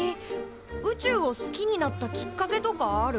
宇宙を好きになったきっかけとかある？